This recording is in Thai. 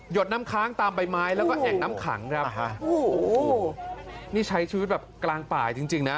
ดน้ำค้างตามใบไม้แล้วก็แอ่งน้ำขังครับโอ้โหนี่ใช้ชีวิตแบบกลางป่าจริงจริงนะ